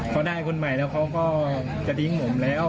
เขาได้คนใหม่แล้วเขาก็จะทิ้งผมแล้ว